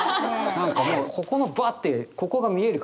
何かもうここのばあってここが見える感じが。